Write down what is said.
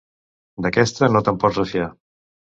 D'aquesta no te'n pots refiar.